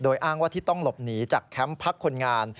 อ้างว่าที่ต้องหลบหนีจากแคมป์พักคนงาน